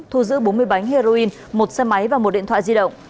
thu giữ bốn mươi bánh heroin một xe máy và một điện thoại di động